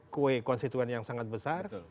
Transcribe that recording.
kue konstituen yang sangat besar